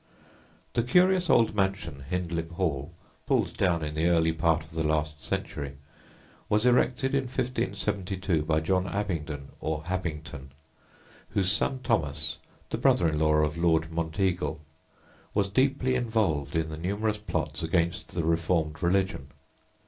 The curious old mansion Hindlip Hall (pulled down in the early part of the last century) was erected in 1572 by John Abingdon, or Habington, whose son Thomas (the brother in law of Lord Monteagle) was deeply involved in the numerous plots against the reformed religion.